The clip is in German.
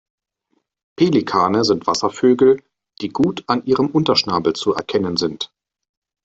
Pelikane sind Wasservögel, die gut an ihrem Unterschnabel zu erkennen sind.